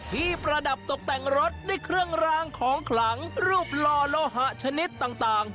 ประดับตกแต่งรถด้วยเครื่องรางของขลังรูปหล่อโลหะชนิดต่าง